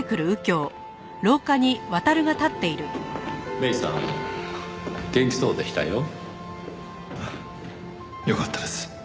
芽依さん元気そうでしたよ。ああよかったです。